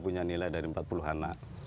punya nilai dari empat puluh anak